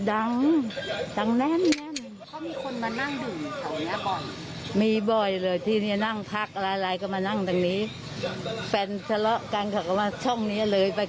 แต่ไม่เคยมีใครมายินกันตรงนี้